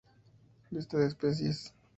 Lista de especies.